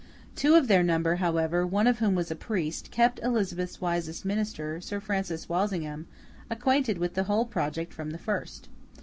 Two of their number, however, one of whom was a priest, kept Elizabeth's wisest minister, Sir Francis Walsingham, acquainted with the whole project from the first.